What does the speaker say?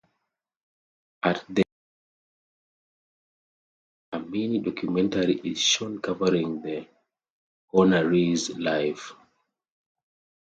At the awards ceremony a mini-documentary is shown covering the honorees' life.